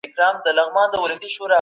حرکت ذهن تازه ساتي.